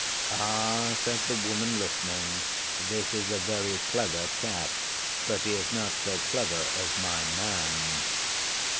'Ah,' said the Woman, listening, 'this is a very clever Cat, but he is not so clever as my Man.